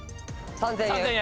３０００円。